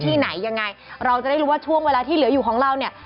ที่ไหนยังไงเราจะได้รู้ว่าช่วงเวลาที่เหลืออยู่ของเราเนี่ย